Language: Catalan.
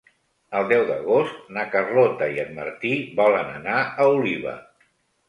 El deu d'agost na Carlota i en Martí volen anar a Oliva.